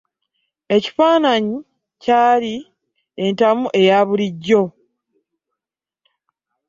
Ekifaananyi kyali entamu eya bulijjo.